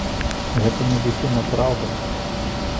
Гэта не зусім апраўдана.